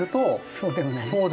そうでもない。